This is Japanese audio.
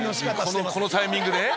このタイミングで？